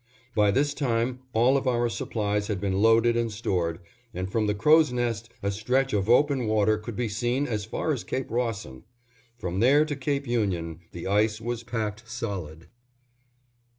By this time all of our supplies had been loaded and stored, and from the crow's nest a stretch of open water could be seen as far as Cape Rawson. From there to Cape Union the ice was packed solid.